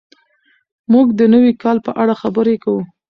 موږ د نوي کال په اړه خبرې کوو.